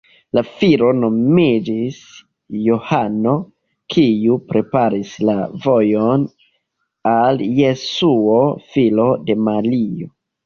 La filo nomiĝis Johano, kiu "preparis la vojon" al Jesuo, filo de Maria.